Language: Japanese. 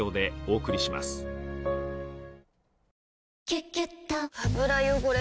「キュキュット」油汚れ